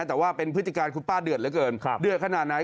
แต่ว่าเป็นพฤติการคุณป้าเดือดเหลือเกินเดือดขนาดไหน